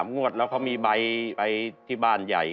งวดแล้วเขามีใบที่บ้านใหญ่